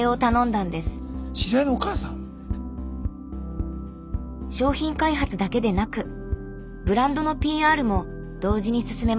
知り合いのお母さん⁉商品開発だけでなくブランドのＰＲも同時に進めました。